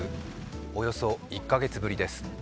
およそ１か月ぶりです。